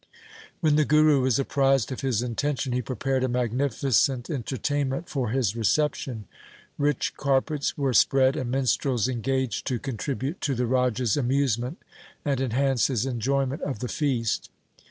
When the Guru was apprised of his intention, he prepared a magnificent entertainment for his reception. Rich carpets were spread and minstrels engaged to contribute to the Raja's amusement and enhance his enjoyment of the feast.